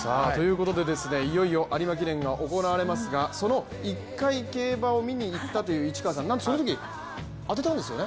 いよいよ有馬記念が行われますがその１回競馬を見にいったという市川さん、なんとそのとき当てたんですよね。